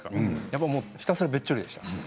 やっぱりもうひたすらべっちょりでした。